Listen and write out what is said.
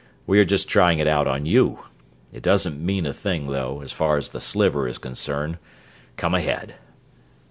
We are just trying it out on you. It doesn't mean a thing though, as far as the Sliver is concerned. Come ahead!"